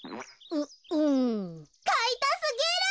ううん。かいたすぎる！